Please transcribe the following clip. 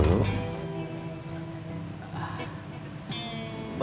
kalau gitu kita pamit dulu